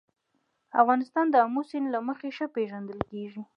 افغانستان د آمو سیند له مخې ښه پېژندل کېږي.